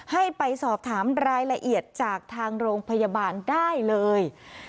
ให้ไปสอบถามรายละเอียดจากทางโรงพยาบาลได้เลย